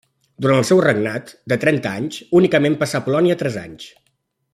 Durant el seu regnat, de trenta anys, únicament passà a Polònia tres anys.